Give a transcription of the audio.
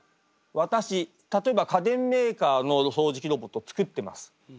私例えば家電メーカーのそうじきロボット作ってます。